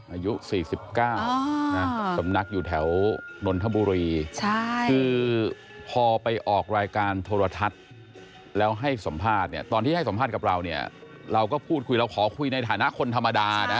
อายุ๔๙สำนักอยู่แถวนนทบุรีคือพอไปออกรายการโทรทัศน์แล้วให้สัมภาษณ์เนี่ยตอนที่ให้สัมภาษณ์กับเราเนี่ยเราก็พูดคุยเราขอคุยในฐานะคนธรรมดานะ